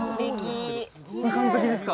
完璧ですか？